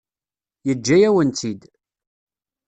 Yeǧǧa-yawen-tt-id.